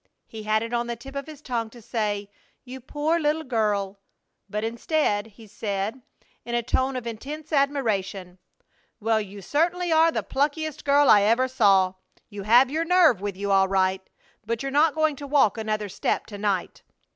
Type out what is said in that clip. He had it on the tip of his tongue to say, "You poor little girl!" but instead he said, in a tone of intense admiration: "Well, you certainly are the pluckiest girl I ever saw! You have your nerve with you all right! But you're not going to walk another step to night!"